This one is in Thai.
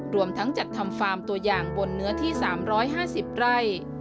รวมทั้งจัดทำฟาร์มตัวอย่างบนเนื้อที่๓๕๐ไร่